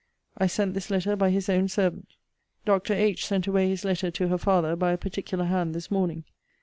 I sent this letter by his own servant. Dr. H. sent away his letter to her father by a particular hand this morning.